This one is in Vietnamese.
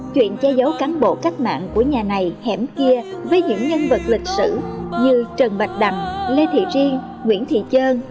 chuyện che giấu cán bộ cách mạng của nhà này hẻm kia với những nhân vật lịch sử như trần bạch đầm lê thị riêng nguyễn thị trơn